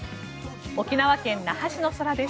沖縄県那覇市の空です。